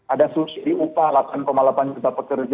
ada susu di upah delapan delapan juta pekerja